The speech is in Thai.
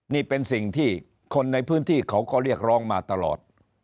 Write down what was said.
นี่เป็นสิ่งที่คนในพื้นที่เขาก็เรียกร้องมาตลอด